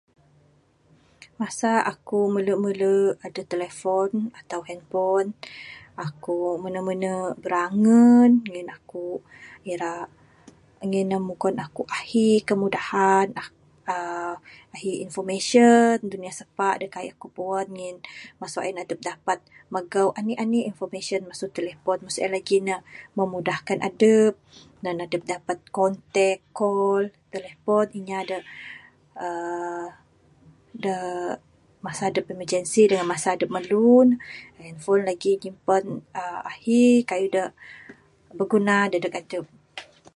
Masa aku melu melu aduh telefon atau handfon, akuk menu menu birangun ngin akuk ira ngin ne mugon ahi kemudahan. uhh Ahi information dunia sapak da kaik ku pu'an ngin masu ain adup dapat magau anih anih information masu telefon. Mung sien lagi ne memudahkan adup. Nan adup dapat kontak, call telepon inya da uhh da masa dup emergensi dengan masa adup merlu, Hanfon lagik nyimpan uhh ahi kayuh da beguna dadeg adup.